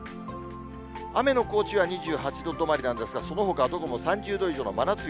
雨の高知は２８度止まりなんですが、そのほか、どこも３０度以上の真夏日。